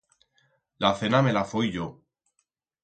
La cena me la foi yo.